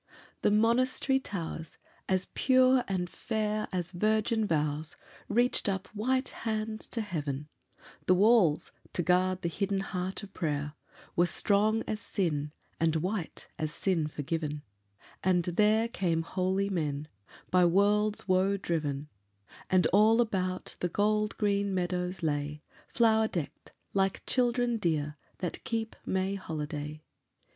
THE monastery towers, as pure and fair As virgin vows, reached up white hands to Heaven; The walls, to guard the hidden heart of prayer, Were strong as sin, and white as sin forgiven; And there came holy men, by world's woe driven; And all about the gold green meadows lay Flower decked, like children dear that keep May holiday.